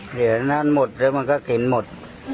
อย่างนั้นหมดแล้วมันก็กินหมด